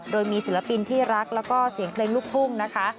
โดยมีศิลปินที่รักแล้วก็เสียงเพลงลูกทุ่งนะคะ